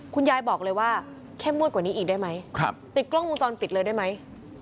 คุณยายบอกเลยว่าเข้มงวดกว่านี้อีกได้ไหมติดกล้องวงจรปิดเลยได้ไหม